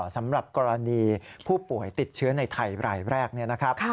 สำหรับกรณีผู้ป่วยติดเชื้อในไทยรายแรก